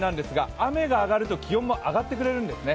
雨が上がると気温も上がってくれるんですね。